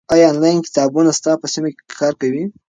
ایا آنلاین کتابتونونه ستا په سیمه کې کار کوي؟